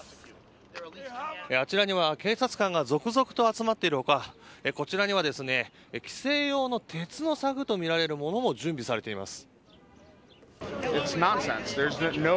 あちらには警察官が続々と集まっているほか、こちらには規制用の鉄の柵と見られるものも準備されています。